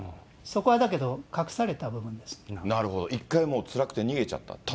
そこはだけど、なるほど、一回もうつらくて逃げちゃったと。